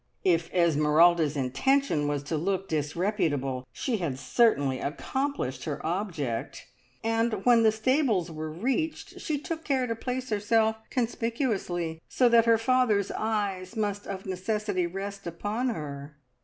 If Esmeralda's intention was to look disreputable, she had certainly accomplished her object; and when the stables were reached she took care to place herself conspicuously, so that her father's eyes must of necessity rest upon her.